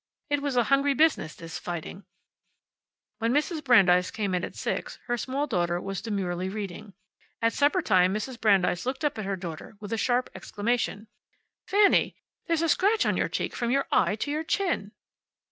It was a hungry business, this fighting. When Mrs. Brandeis came in at six her small daughter was demurely reading. At supper time Mrs. Brandeis looked up at her daughter with a sharp exclamation. "Fanny! There's a scratch on your cheek from your eye to your chin."